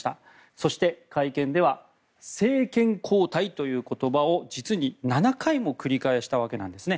そして、会見では政権交代という言葉を実に７回も繰り返したわけなんですね。